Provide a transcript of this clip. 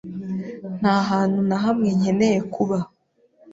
Nta hantu na hamwe nkeneye kuba.